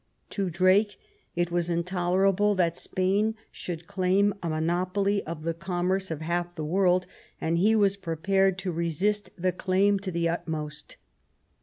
To Drake it was intolerable that Spain should claim a monopoly of the commerce of half the world, and he was pre pared to resist the claim to the utmost.